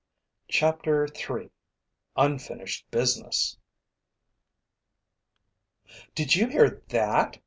CHAPTER 3 UNFINISHED BUSINESS "Did you hear that?"